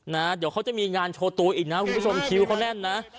นะเดี๋ยวเขาจะมีงานโชว์ตัวอีกนะคุณผู้ชมคิวเขาแน่นนะ